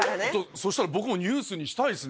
そしたら僕もニュースにしたいですね。